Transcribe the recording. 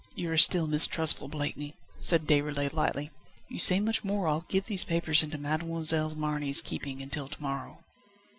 "You are still mistrustful, Blakeney," said Déroulède lightly. "If you say much more I'll give these papers into Mademoiselle Marny's keeping until to morrow."